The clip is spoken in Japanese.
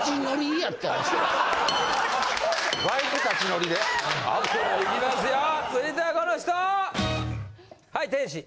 いきますよ！